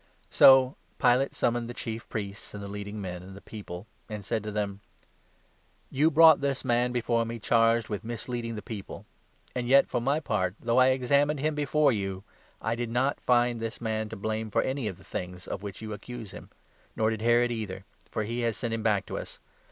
So Pilate summoned the Chief Priests, and the aeajn8beVore leading men, and the people, and said to them : the Roman '' You brought this man before me charged with Governor, misleading the people ; and yet, for my part, though I examined him before you, I did not find this man to blame for any of the things of which you accuse him ; nor did Herod either ; for he has sent him back to us.